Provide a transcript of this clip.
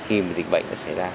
khi mà dịch bệnh sẽ xảy ra